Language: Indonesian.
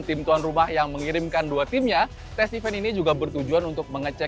tim tuan rumah yang mengirimkan dua timnya tes event ini juga bertujuan untuk mengecek